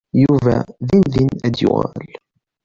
Yuba dindin ad d-yuɣal.